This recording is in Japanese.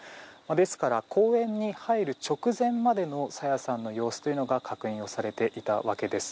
ですから、公園に入る直前までの朝芽さんの様子というのが確認されていたわけです。